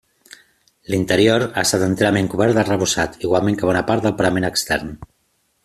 L'interior ha estat enterament cobert d'arrebossat, igualment que bona part del parament extern.